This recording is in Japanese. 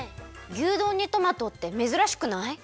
牛丼にトマトってめずらしくない？